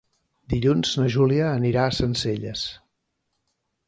Dilluns na Júlia anirà a Sencelles.